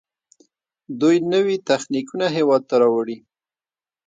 دوی نوي تخنیکونه هیواد ته راوړي.